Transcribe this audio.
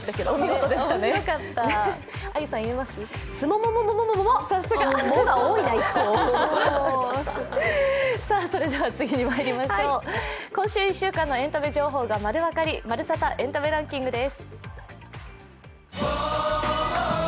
今週１週間のエンタメ情報がまるわかり、「まるサタ！エンタメランキング」です。